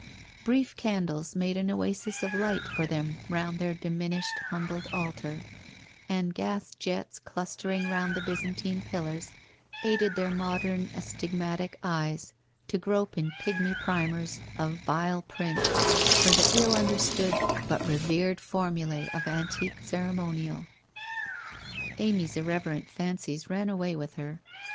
Brief candles made an oasis of light for them round their diminished humbled altar, and gas jets clustering round the Byzantine pillars aided their modern astygmatic eyes to grope in pigmy primers of vile print, for the ill understood, but revered formulae of antique ceremonial. Amy's irreverent fancies ran away with her.